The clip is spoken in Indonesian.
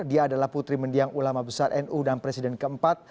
dia adalah putri mendiang ulama besar nu dan presiden keempat